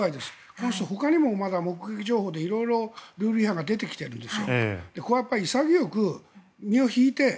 この人、ほかにもまだ目撃情報で色々、ルール違反が出てきてるんです。